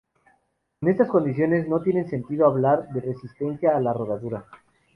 En estas condiciones no tienen sentido hablar de resistencia a la rodadura.